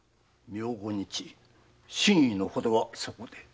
明後日真偽のほどはそこで。